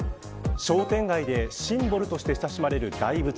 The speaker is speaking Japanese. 商店街でシンボルとして親しまれる大仏。